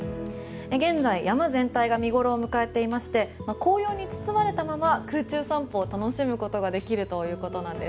現在、山全体が見頃を迎えていまして紅葉に包まれたまま空中散歩を楽しむことができるということです。